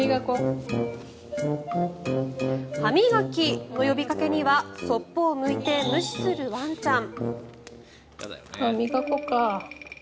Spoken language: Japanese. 歯磨きの呼びかけにはそっぽを向いて無視するワンちゃん。